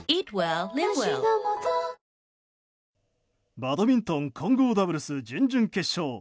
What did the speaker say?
バドミントン混合ダブルス準々決勝。